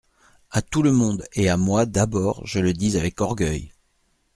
A tout le monde, et à moi, d'abord, je le dis ave c orgueil.